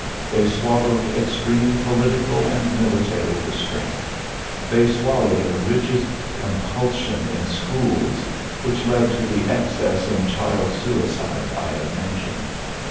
They swallowed extreme political and military restraint. They swallowed a rigid compulsion in schools, which led to the excess in child suicide I have mentioned.